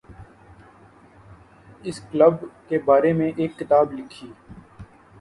اس club کے بارے میں ایک کتاب لکھی